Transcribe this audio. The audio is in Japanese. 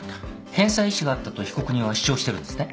返済意思があったと被告人は主張してるんですね。